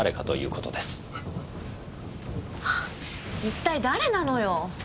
一体誰なのよ！